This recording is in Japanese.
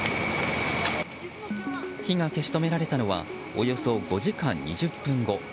火が消し止められたのはおよそ５時間２０分後。